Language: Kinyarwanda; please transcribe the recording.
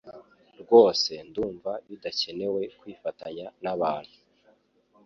rwose ndumva bidakenewe kwifatanya nabantu